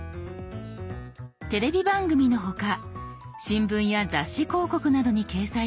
テレビ番組の他新聞や雑誌広告などに掲載されている